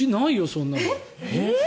そんなの。